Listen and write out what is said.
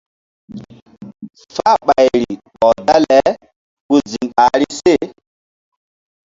Fahɓayri ɔh dale ku ziŋ ɓahri se.